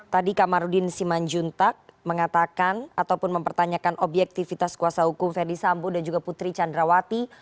tadi kak marudin simanjuntak mengatakan ataupun mempertanyakan objektifitas kuasa hukum berdisambu dan putri candrawati